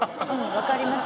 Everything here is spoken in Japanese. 「わかります」